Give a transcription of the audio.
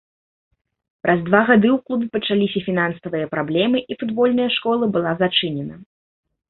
Праз два гады ў клубе пачаліся фінансавыя праблемы і футбольная школа была зачынена.